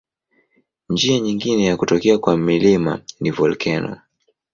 Njia nyingine ya kutokea kwa milima ni volkeno.